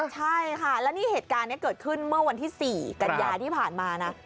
ใช่ค่ะแล้วนี่เหตุการณ์นี้เกิดขึ้นเมื่อวันที่๔กันยาที่ผ่านมานะ